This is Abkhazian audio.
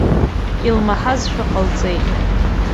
Илмаҳазшәа ҟалҵеит.